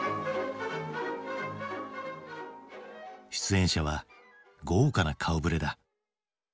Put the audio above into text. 出演者は豪華な顔ぶれだ。